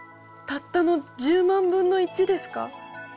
たったの１０万分の１ですか。